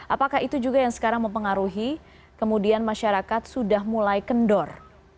apakah itu juga yang sekarang mempengaruhi kemudian masyarakat sudah mulai kendor